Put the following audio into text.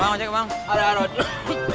bang ojek bang aduk aduk aduk